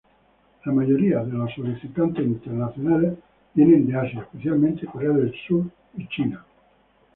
La mayoría de solicitantes internacionales vienen de Asia, especialmente Korea del Sur y China.